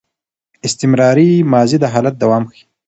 استمراري ماضي د حالت دوام ښيي.